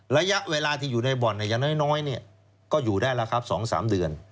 ระยะเวลาที่อยู่ในบ่อนอย่างน้อยก็อยู่ได้แล้วครับ๒๓เดือน